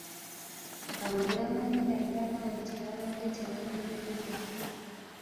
Awo n'amanyira ddala nti baabadde tebamulimba.